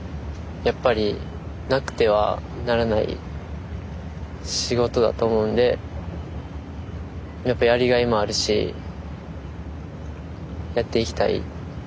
やっぱりなくてはならない仕事だと思うんでやっぱやりがいもあるしやっていきたい。